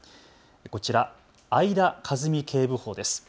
こちら、相田一己警部補です。